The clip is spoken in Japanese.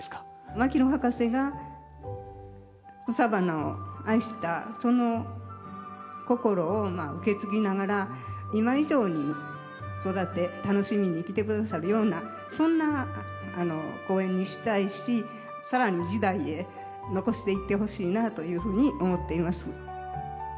牧野博士が草花を愛したその心を受け継ぎながら今以上に育て楽しみに来てくださるようなそんな公園にしたいしさらに次代へ残していってほしいなというふうに思っています。